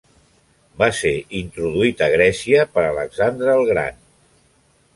Va ser introduït a Grècia per Alexandre el Gran.